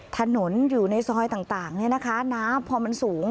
ถนนอยู่ในซอยต่างเนี่ยนะคะน้ำพอมันสูง